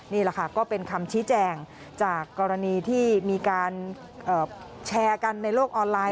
นี่แหละค่ะก็เป็นคำชี้แจงจากกรณีที่มีการแชร์กันในโลกออนไลน